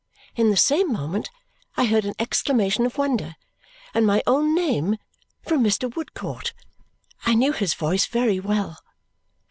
In the same moment I heard an exclamation of wonder and my own name from Mr. Woodcourt. I knew his voice very well.